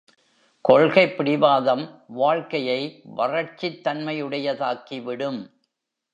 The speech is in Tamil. கொள்கைப் பிடிவாதம் வாழ்க்கையை வறட்சித் தன்மையுடையதாக்கிவிடும்.